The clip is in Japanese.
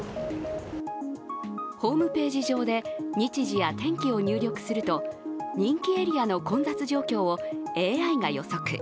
ホームページ上で日時や天気を入力すると人気エリアの混雑状況をＡＩが予測。